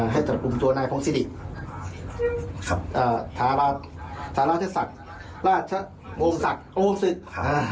ให้จัดปุ่มตัวนายพงศิษย์ทาราชสักราชองศักดิ์โอศิษย์